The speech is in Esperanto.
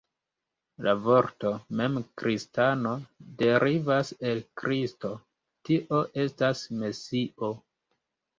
La vorto mem kristano, derivas el Kristo, tio estas, Mesio.